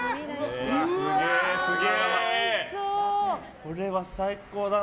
これは最高だな。